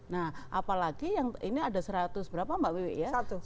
nah apalagi yang ini ada seratus berapa mbak wiwi ya